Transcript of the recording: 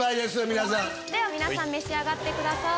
皆さん召し上がってください。